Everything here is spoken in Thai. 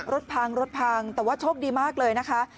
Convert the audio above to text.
รถพังรถพังแต่ว่าโชคดีมากเลยนะคะ